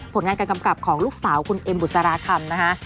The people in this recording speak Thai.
ผลงานการกำกับของลูกสาวคุณเอ็มบุษราคำนะคะ